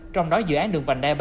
trong đó dự án đường vành đai ba